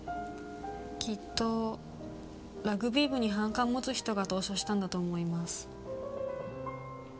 きっとラグビー部に反感を持つ人が投書したんだと思います。